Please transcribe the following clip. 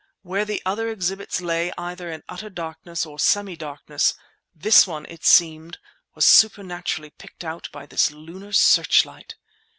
Where the other exhibits lay either in utter darkness or semi darkness this one it seemed was supernaturally picked out by this lunar searchlight!